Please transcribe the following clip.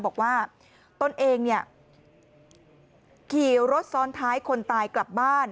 ตนเองเนี่ยขี่รถซ้อนท้ายคนตายกลับบ้าน